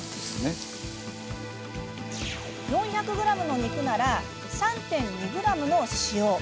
４００ｇの肉なら３．２ｇの塩。